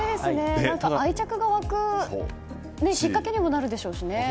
愛着が湧くきっかけにもなるでしょうね。